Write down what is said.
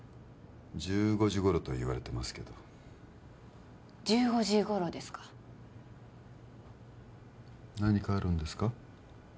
１５時頃と言われてますけど１５時頃ですか何かあるんですか？